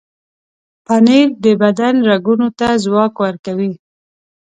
پنېر د بدن رګونو ته ځواک ورکوي.